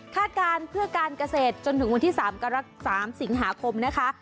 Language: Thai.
การเพื่อการเกษตรจนถึงวันที่๓สิงหาคมนะคะ